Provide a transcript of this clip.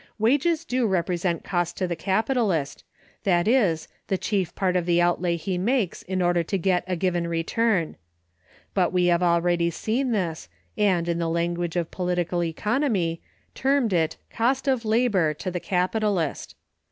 Wages do represent cost to the capitalist, that is, the chief part of the outlay he makes in order to get a given return; but we have already seen this, and, in the language of Political Economy, termed it "cost of labor" to the capitalist.